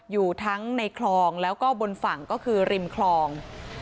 อยู่ทั้งในคลองแล้วก็บนฝั่งก็คือริมคลอง